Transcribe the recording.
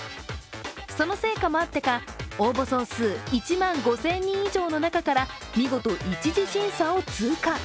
その成果もあってか、応募総数１万５０００人以上の中から見事１次審査を通過。